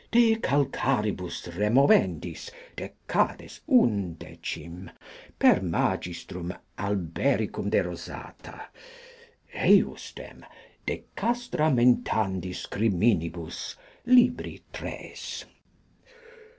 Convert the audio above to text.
De calcaribus removendis, Decades undecim, per M. Albericum de Rosata. Ejusdem de castramentandis criminibus libri tres.